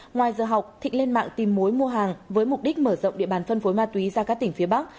ngoài giờ học thịnh lên mạng tìm mối mua hàng với mục đích mở rộng địa bàn phân phối ma túy ra các tỉnh phía bắc